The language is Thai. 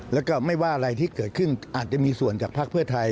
แล้วก็ไม่ว่าอะไรที่เกิดขึ้นอาจจะมีส่วนจากภาคเพื่อไทย